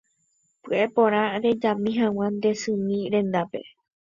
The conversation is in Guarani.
Pya'e porã rejami hag̃ua nde symi rendápe